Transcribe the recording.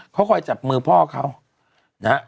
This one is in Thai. เขาค่อยจับมือพ่อเขา